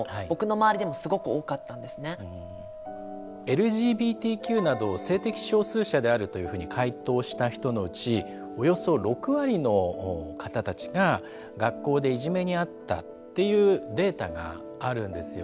ＬＧＢＴＱなど性的少数者であるというふうに回答した人のうちおよそ６割の方たちが学校でいじめにあったっていうデータがあるんですよね。